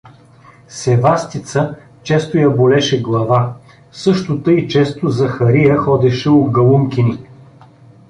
Севастица често я болеше глава, също тъй често Захария ходеше у Галункини.